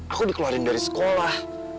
aku dikeluarin dari sekolah